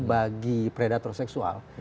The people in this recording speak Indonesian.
bagi predator seksual